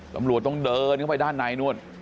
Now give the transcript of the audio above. ตำรวจต้องเดินเข้าไปด้านในนู่น